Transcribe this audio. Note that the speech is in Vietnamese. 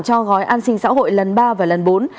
cho gói an sinh xã hội lần ba và lần bốn